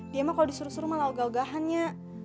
dia mah kalo disuruh suruh malah ogah ogahan nyat